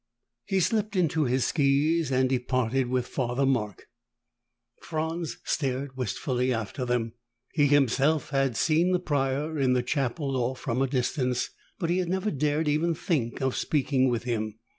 He slipped into his skis and departed with Father Mark. Franz stared wistfully after them. He himself had seen the Prior, in the chapel or from a distance, but he had never dared even think of speaking with him.